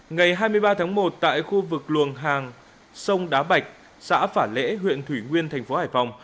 ngày hai mươi ba tháng một tại khu vực luồng hàng sông đá bạch xã phả lễ huyện thủy nguyên thành phố hải phòng